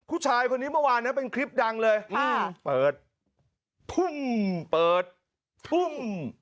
ผู้ชายคนนี้เมื่อวานนะเป็นคลิปดังเลยอ่าเปิดทุ่มเปิดทุ่ม